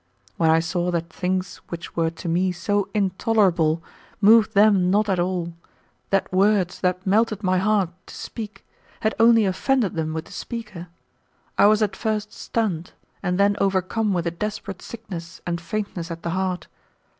When I saw that things which were to me so intolerable moved them not at all, that words that melted my heart to speak had only offended them with the speaker, I was at first stunned and then overcome with a desperate sickness and faintness at the heart.